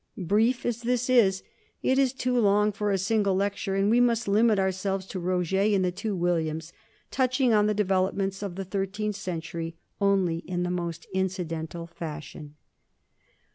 Brief as this is, it is too long for a single lecture, and we must limit our selves to Roger and the two Williams, touching on the developments of the thirteenth century only in the most incidental fashion.